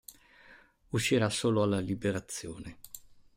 Uscirà solo alla Liberazione.